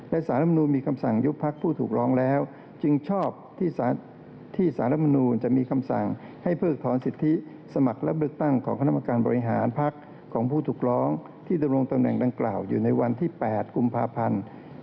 และสารรัฐมนูลมีคำสั่งยุบพักผู้ถูกร้องแล้วจึงชอบที่สารรัฐมนูลจะมีคำสั่งให้เพิกถอนสิทธิสมัครรับเลือกตั้งของคณะกรรมการบริหารพักของผู้ถูกร้องที่ดำรงตำแหน่งดังกล่าวอยู่ในวันที่๘กุมภาพันธ์